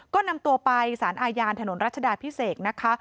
ก็นำตัวไปสารอาญานถนนรัชดาพิเศษนะคะ